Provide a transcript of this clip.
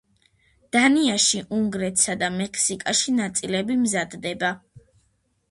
დანიაში, უნგრეთსა და მექსიკაში ნაწილები მზადდება.